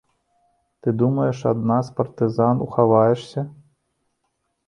Ты думаеш, ад нас, партызан, ухаваешся?